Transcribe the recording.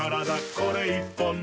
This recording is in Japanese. これ１本で」